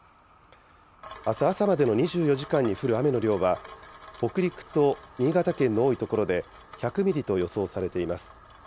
あす朝までの２４時間に降る雨の量は、北陸と新潟県の多い所で１００ミリと予想されています。